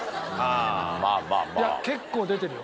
いや結構出てるよ。